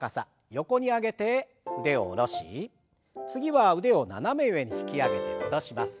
横に上げて腕を下ろし次は腕を斜め上に引き上げて戻します。